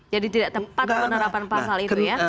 jadi tidak tempat penerapan pasal itu ya